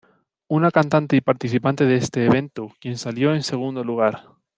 Una cantante y participante de este evento, quien salió en segundo lugar.